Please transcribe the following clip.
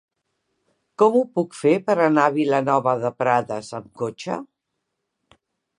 Com ho puc fer per anar a Vilanova de Prades amb cotxe?